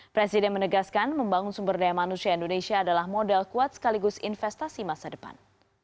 presiden menegaskan membangun sumber daya manusia indonesia adalah modal kuat sekaligus investasi masa depan